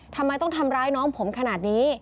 ทำไมต้องทำร้ายน้องผมขนาดนี้